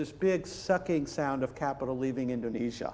dan ada suara yang sangat mengecewakan dari kapital yang meninggalkan indonesia